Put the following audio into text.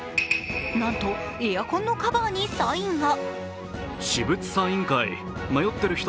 なんとエアコンのカバーにサインが。